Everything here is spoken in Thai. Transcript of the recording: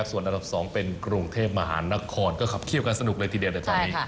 ส่วนอันดับ๒เป็นกรุงเทพมหานครก็ขับเคี่ยวกันสนุกเลยทีเดียวในตอนนี้